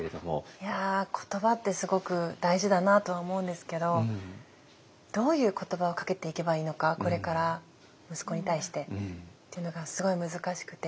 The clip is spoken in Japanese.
いや言葉ってすごく大事だなとは思うんですけどどういう言葉をかけていけばいいのかこれから息子に対してっていうのがすごい難しくて。